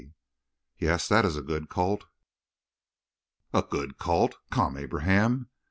"Yes, that is a good colt." "A good colt! Come, Abraham!